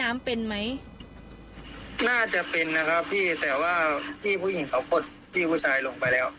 น้ำเป็นไหมน่าจะเป็นนะครับพี่แต่ว่าพี่ผู้หญิงเขากดพี่ผู้ชายลงไปแล้ว